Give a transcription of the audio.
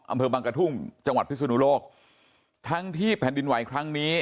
อำเภอบังกระทุ่งจังหวัดพิศนุโลกทั้งที่แผ่นดินไหวครั้งนี้